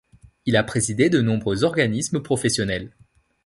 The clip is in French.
Il a présidé de nombreux organismes professionnels.